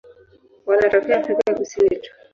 Wanatokea Afrika Kusini tu.